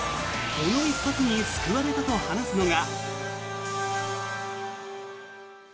この一発に救われたと話すのが。